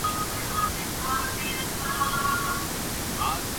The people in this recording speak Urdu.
حکومت ملکی پیداوار کی شرح بڑھانے کیلئے اقدامات کر رہی ہےہارون اختر